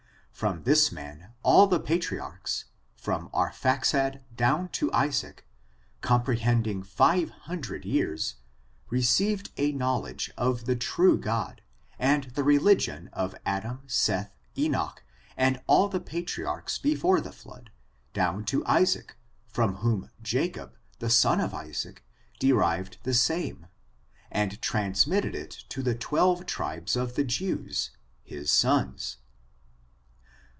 From this man all the patriarchs, from Arphaxad down to Isaac, com prehending five hundred years, received a knowl edge of the true God, and the religion of Adam, Seth, Enoch, and all the patriarchs before the flood, down to Isaac, from whom Jacob, the son of Isaac, derived the same, and transmitted it to the twelve tribes of the jews, his sons.